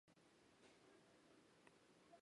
叶恭绰兼任总监督。